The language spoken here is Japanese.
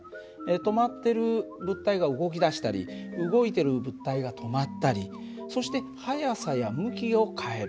止まってる物体が動き出したり動いてる物体が止まったりそして速さや向きを変える。